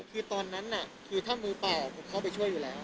คือตอนนั้นคือถ้ามือเปล่าผมเข้าไปช่วยอยู่แล้ว